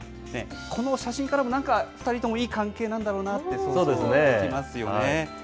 この写真からもなんか、２人ともいい関係なんだろうなって、想像つきますよね。